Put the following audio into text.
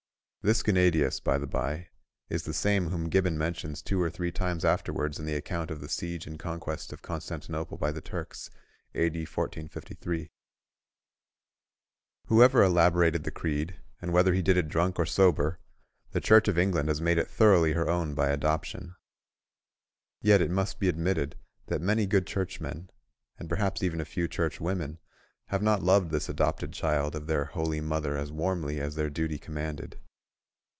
(This Gennadius, by the bye, is the same whom Gibbon mentions two or three times afterwards in the account of the siege and conquest of Constantinople by the Turks, a.d. 1453). Whoever elaborated the Creed, and whether he did it drunk or sober, the Church of England has made it thoroughly her own by adoption. Yet it must be admitted that many good churchmen, and perhaps even a few churchwomen, have not loved this adopted child of their Holy Mother as warmly as their duty commanded.